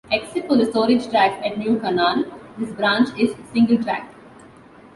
Except for the storage tracks at New Canaan, this branch is single-tracked.